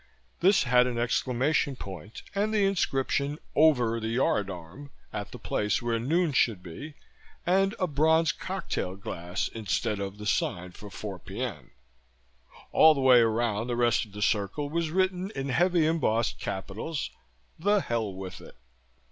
This had an exclamation point and the inscription, "Over the Yard Arm" at the place where noon should be, and a bronze cocktail glass instead of the sign for four p.m. All the way around the rest of the circle was written in heavy embossed capitals, "The Hell With It!"